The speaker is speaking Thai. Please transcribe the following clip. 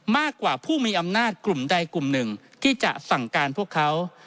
มากกว่าผู้มีอำนาจกลุ่มใดกลุ่มหนึ่งที่จะสั่งการพวกเขา